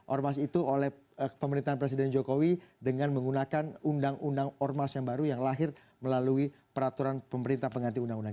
ormas itu oleh pemerintahan presiden jokowi dengan menggunakan undang undang ormas yang baru yang lahir melalui peraturan pemerintah pengganti undang undang